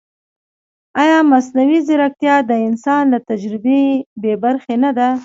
ایا مصنوعي ځیرکتیا د انسان له تجربې بېبرخې نه ده؟